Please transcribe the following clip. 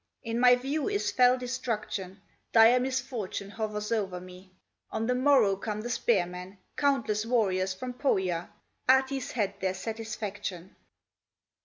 In my view is fell destruction, Dire misfortune hovers o'er me; On the morrow come the spearmen, Countless warriors from Pohya, Ahti's head their satisfaction."